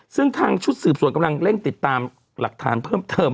ซึ่งทางชุดสืบสวนกำลังเร่งติดตาม